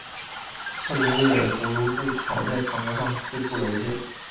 克伦威尔的头颅被挑在长矛上四处游街。